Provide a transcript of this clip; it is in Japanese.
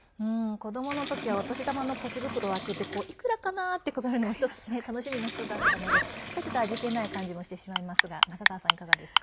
子どもの時はお年玉のポチ袋を開けていくらかなって数えるのも楽しみの１つだったのでなんか、ちょっと味気ない感じもしてしまいますが中川さんは、いかがですか？